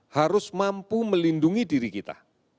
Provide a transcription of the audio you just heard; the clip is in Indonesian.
harus mampu melindungi diri kita